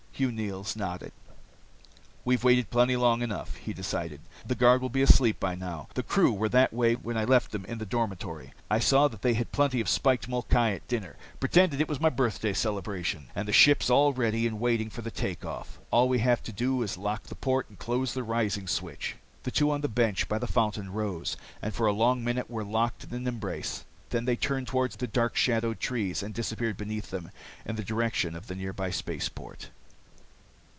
Hugh Neils nodded. "We've waited plenty long enough," he decided. "The guard will be asleep by now. The crew were that way when I left them, in the dormitory. I saw that they had plenty of spiked molkai at dinner. Pretended it was my birthday celebration. And the ship's all ready and waiting for the take off. All we have to do is lock the port and close the rising switch." The two on the bench by the fountain rose, and for a long minute were locked in an embrace. Then they turned toward the dark shadowed trees and disappeared beneath them, in the direction of the nearby space port.